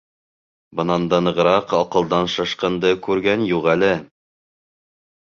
Бынан да нығыраҡ аҡылдан шашҡанды күргән юҡ әле.